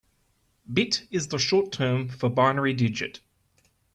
Bit is the short term for binary digit.